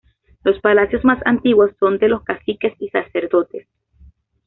Los palacios más antiguos son de los caciques y Sacerdotes.